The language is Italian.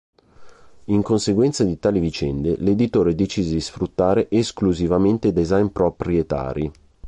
In conseguenza di tali vicende, l'editore decise di sfruttare, esclusivamente design proprietari.